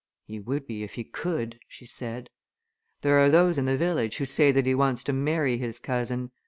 "He would be, if he could!" she said. "There are those in the village who say that he wants to marry his cousin.